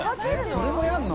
それもやるの？